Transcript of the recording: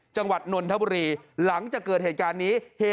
นนทบุรีหลังจากเกิดเหตุการณ์นี้